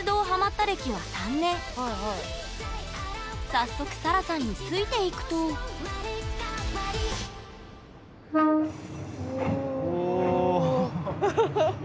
早速さらさんについていくとハハハ！